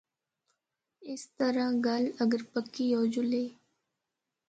اس طرح گل اگر پکی ہو جُلے۔